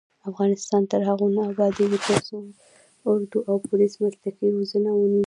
افغانستان تر هغو نه ابادیږي، ترڅو اردو او پولیس مسلکي روزنه ونه لري.